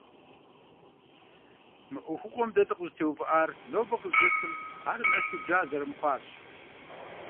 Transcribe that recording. Мы ӏуэхугъуэм дэ дыкъыщӏытеувыӏар нобэр къыздэсым ар нэсу джа зэрымыхъуарщ.